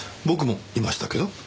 僕もいましたけど。